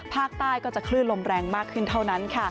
ภาคใต้ก็จะคลื่นลมแรงมากขึ้นเท่านั้น